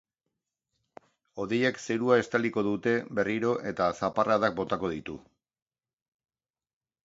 Hodeiek zerua estaliko dute berriro eta zaparradak botako ditu.